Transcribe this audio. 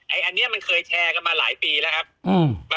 อันนี้มันเคยแชร์กันมาหลายปีแล้วครับ